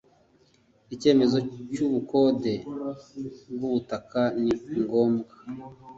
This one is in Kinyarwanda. icyemezo cy ubukode bw ubutaka ni ngombwa